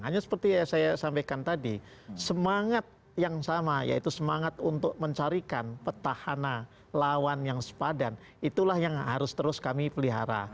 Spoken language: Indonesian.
hanya seperti yang saya sampaikan tadi semangat yang sama yaitu semangat untuk mencarikan petahana lawan yang sepadan itulah yang harus terus kami pelihara